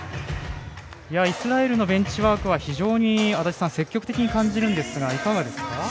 イスラエルのベンチワークは非常に積極的に感じるんですがいかがですか。